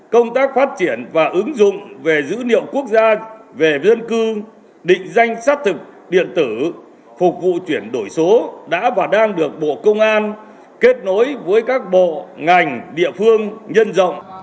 công tác phát triển và ứng dụng về dữ liệu quốc gia về dân cư định danh xác thực điện tử phục vụ chuyển đổi số đã và đang được bộ công an kết nối với các bộ ngành địa phương nhân rộng